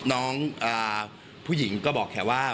น้องผู้หญิงก็บอกแค่ว่า